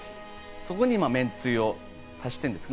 そこにめんつゆを足してるんです。